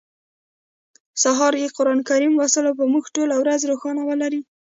سهار کی قران کریم لوستل به مو ټوله ورځ روښانه ولري